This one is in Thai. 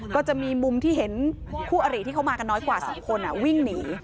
ก็จะมีมุมที่เห็นคู่อริที่เขามากันน้อยกว่า๒คนวิ่งหนี